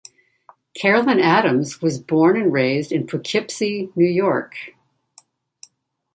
Carolyn Adams was born and raised in Poughkeepsie, New York.